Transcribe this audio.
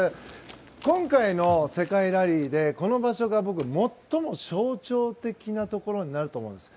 今回の世界ラリーでこの場所が、僕最も象徴的なところになると思うんです。